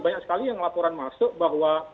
banyak sekali yang laporan masuk bahwa